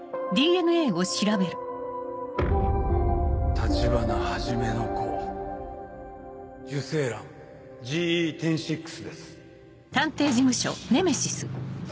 立花始の子受精卵ＧＥ１０．６です